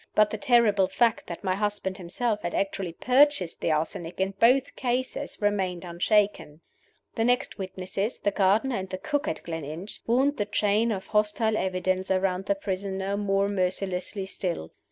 But the terrible fact that my husband himself had actually purchased the arsenic in both cases remained unshaken. The next witnesses the gardener and the cook at Gleninch wound the chain of hostile evidence around the prisoner more mercilessly still.